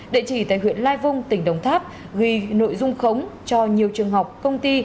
địa chỉ tại huyện lai vung tỉnh đồng tháp ghi nội dung khống cho nhiều trường học công ty